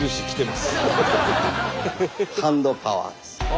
ハンドパワーです。